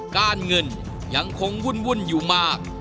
การเงินยังคงวุ่นอยู่มาก